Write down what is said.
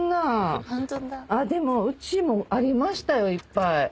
でもうちもありましたよいっぱい。